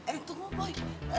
eh tunggu boy